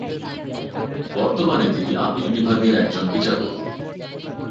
বর্তমানে তিনি আপিল বিভাগের একজন বিচারপতি।